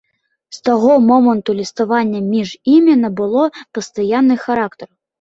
З таго моманту ліставанне між імі набыло пастаянны характар.